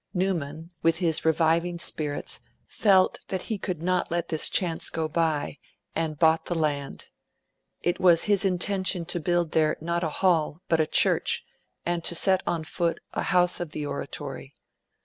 Newman, with his reviving spirits, felt that he could not let this chance go by, and bought the land. It was his intention to build there not a Hall, but a Church, and to set on foot a 'House of the Oratory'.